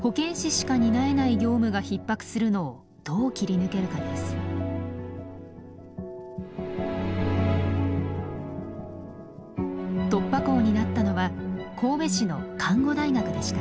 大きな問題は突破口になったのは神戸市の看護大学でした。